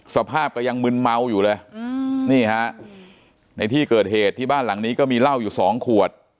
สภาพก็ยังมึนเมาอยู่เลยนี่ฮะในที่เกิดเหตุที่บ้านหลังนี้ก็มีเหล้าอยู่สองขวด